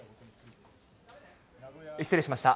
失礼しました。